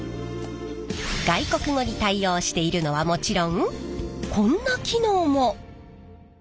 外国語に対応しているのはもちろんこんな機能も！